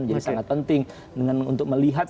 menjadi sangat penting dengan untuk melihat